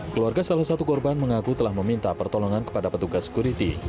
keluarga salah satu korban mengaku telah meminta pertolongan kepada petugas security